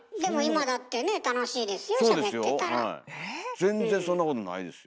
全然そんなことないですよ。